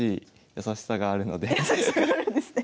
優しさがあるんですね。